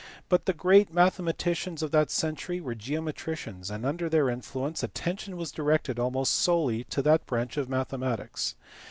But the great mathematicians of that century were geometricians, and under their influence attention was directed almost solely to that branch of mathematics.